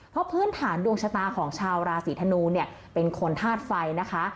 เพราะพื้นฐานดวงชะตาของชาวราศีธนูเนี่ยเป็นคนธาตุไฟนะคะ